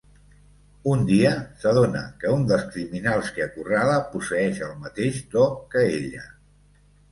Un dia, s'adona que un dels criminals que acorrala posseeix el mateix do que ella.